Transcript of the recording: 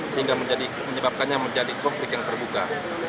sehingga menyebabkannya menjadi konflik yang terbuka